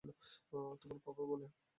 তোমার পাপা বলে।